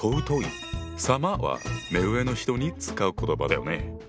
「様」は目上の人に使う言葉だよね。